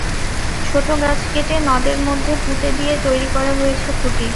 ছোট গাছ কেটে নদের মধ্যে পুঁতে দিয়ে তৈরি করা হয়েছে খুঁটি।